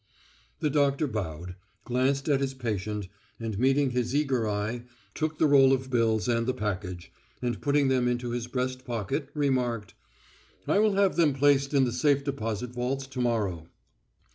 The doctor bowed, glanced at his patient, and meeting his eager eye, took the roll of bills and the package, and putting them into his breast pocket, remarked, "I will have them placed in the safe deposit vaults to morrow."